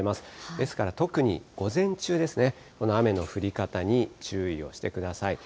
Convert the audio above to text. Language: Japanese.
ですから、特に午前中ですね、この雨の降り方に注意をしてください。